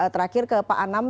terakhir ke pak anam